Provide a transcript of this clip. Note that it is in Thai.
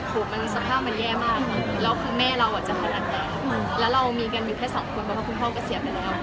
ก็คือเรากลับไปแล้วเราเห็นแม่กับแม่ผม